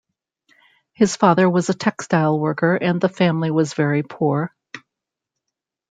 His father was a textile worker and the family was very poor.